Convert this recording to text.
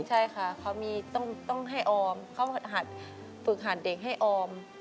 ใช่ค่ะเขาต้องให้ออมเขาฝึกหัดเด็กให้ออม